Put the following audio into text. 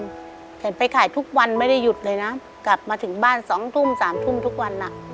เห็นไปขายทุกวันไม่ได้หยุดเลยนะกลับมาถึงบ้าน๒ทุ่ม๓ทุ่มทุกวันอ่ะ